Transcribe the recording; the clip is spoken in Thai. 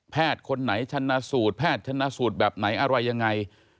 คนไหนชนะสูตรแพทย์ชนะสูตรแบบไหนอะไรยังไง